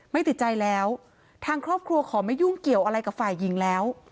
ไม่ติดใจแล้วทางครอบครัวขอไม่ยุ่งเกี่ยวอะไรกับฝ่ายหญิงแล้ว